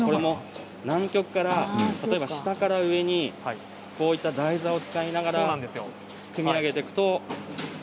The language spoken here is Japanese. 南極から例えば下から上に台座を使いながら組み上げていくと。